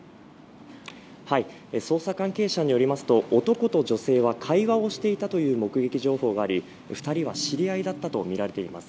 捜査関係者によりますと男と女性は会話をしていたという目撃情報があり２人は知り合いだったとみられています。